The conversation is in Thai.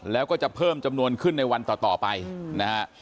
แล้วก็จะเพิ่มจำนวนขึ้นในวันต่อไปนะฮะ